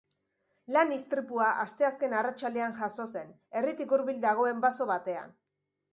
Lan-istripua asteazken arratsaldean jazo zen, herritik hurbil dagoen baso batean.